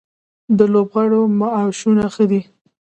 د لوبغاړو معاشونه ښه دي؟